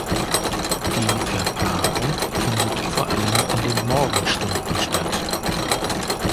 Die Verpaarung findet vor allem in den Morgenstunden statt.